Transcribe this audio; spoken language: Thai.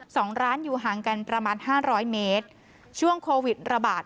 สองร้านอยู่ห่างกันประมาณห้าร้อยเมตรช่วงโควิดระบาด